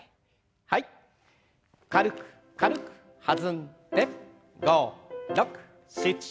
軽く軽く弾んで。